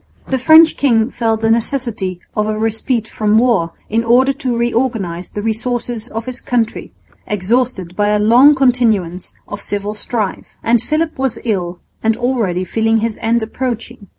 The French king felt the necessity of a respite from war in order to reorganise the resources of his country, exhausted by a long continuance of civil strife; and Philip was ill and already feeling his end approaching.